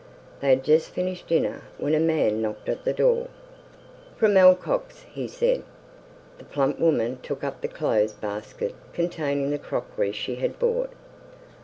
They had just finished dinner, when a man knocked at the door. "From Allcock's!" he said. The plump woman took up the clothes basket containing the crockery she had bought.